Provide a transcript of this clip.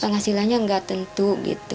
penghasilannya nggak tentu gitu